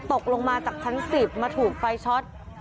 ตกลงมาจากชั้น๑๐มาถูกไฟช็อต